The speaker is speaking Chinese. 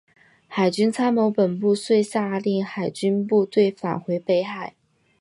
海军参谋本部遂下令海军部队返回北海。